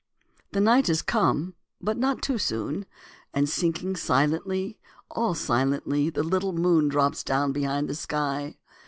The night is come, but not too soon; And sinking silently, All silently, the little moon Drops down behind the sky.